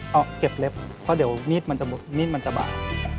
เอาเก็บเล็บเพราะเดี๋ยวมีดมันจะบาด